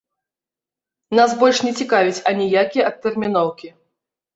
Нас больш не цікавяць аніякія адтэрміноўкі!